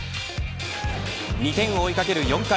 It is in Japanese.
２点を追いかける４回。